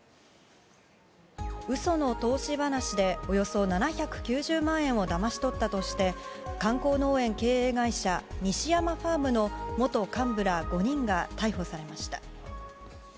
嘘の投資話でおよそ７９０万円をだまし取ったとして観光農園経営会社西山ファームの元幹部ら５人が逮捕されました。